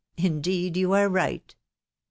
. indeed you are right !